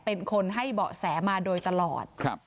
เป็นคนให้บ่อแสมาโดยตลอดค่ะ